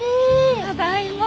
ただいま。